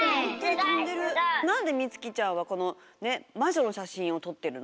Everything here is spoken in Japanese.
なんでみつきちゃんはこのまじょのしゃしんをとってるの？